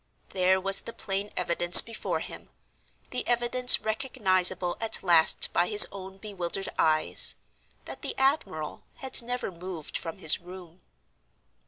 There was the plain evidence before him—the evidence recognizable at last by his own bewildered eyes—that the admiral had never moved from his room.